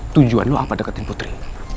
tujuan lo apa deketin putri